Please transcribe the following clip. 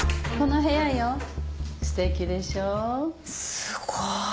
すごい！